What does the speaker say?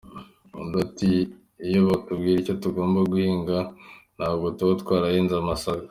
Undi ati “Iyo batubwira icyo tugomba guhinga ntabwo tuba twarahinze amasaka.